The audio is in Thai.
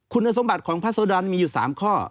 คุณสมบัติของพระโซดรมีอยู่๓ข้อ